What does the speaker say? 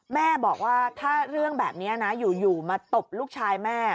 แม่บอกว่าถ้าเรื่องแบบนี้นะอยู่มาตบลูกชายแม่